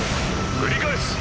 繰り返す。